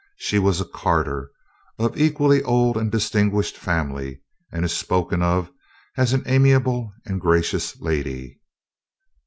She was a Carter, of an equally old and distinguished family, and is spoken of as an amiable and gracious lady.